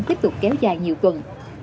tiếp tục kéo dài nhiều tuần